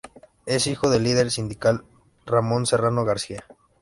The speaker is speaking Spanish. Es hijo del líder sindical Ramón Serrano García.